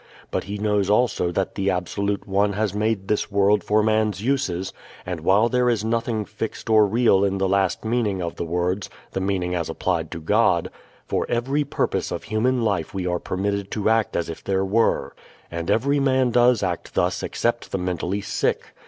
But he knows also that the Absolute One has made this world for man's uses, and, while there is nothing fixed or real in the last meaning of the words (the meaning as applied to God) for every purpose of human life we are permitted to act as if there were. And every man does act thus except the mentally sick.